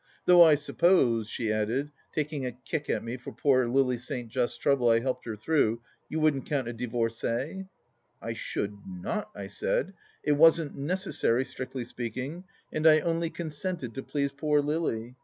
Though I suppose," she added, taking a kick at me for poor Lily St. Just's trouble I helped her through, " you wouldn't count a divorcie ?"" I should not," I said. " It wasn't necessary, strictly speaking, and I only consented to please poor Lily.